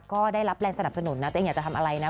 ก็ได้รับแรงสนับสนุนนะตัวเองอยากจะทำอะไรนะ